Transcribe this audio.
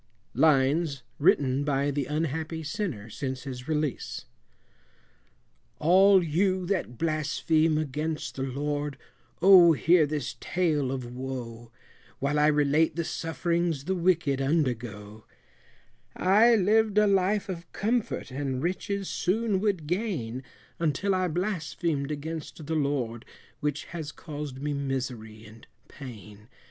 Lines written by the unhappy Sinner since his release. All you that blaspheme against the Lord, O hear this tale of woe, While I relate the sufferings the wicked undergo; I live'd a life of comfort, and riches soon would gain, Until I blasphemed against the Lord, which has caused me misery and pain.